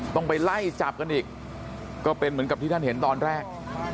ต้องไปไล่จับกันอีกก็เป็นเหมือนกับที่ท่านเห็นตอนแรก